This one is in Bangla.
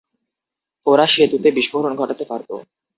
ওরা সেতুতে বিস্ফোরণ ঘটাতে পারতো।